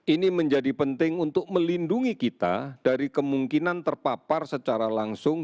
ini menjadi penting untuk melindungi kita dari kemungkinan terpapar secara langsung